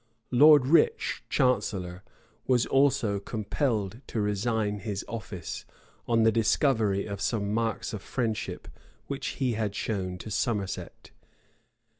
[*] Lord Rich, chancellor, was also compelled to resign his office, on the discovery of some marks of friendship which he had shown to Somerset.